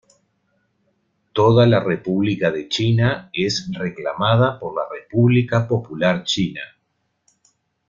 Toda la República de China es reclamada por la República Popular China.